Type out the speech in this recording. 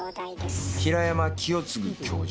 平山清次教授。